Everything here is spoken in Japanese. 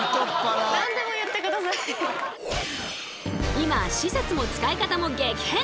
今施設も使い方も激変！